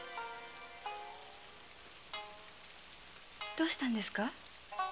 どうしたんですか？